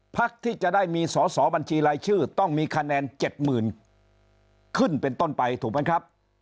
พักที่จะได้มีสอสอบัญชีรายชื่อต้องมีคะแนน๗๐๐ขึ้นเป็นต้นไปถูกไหมครับ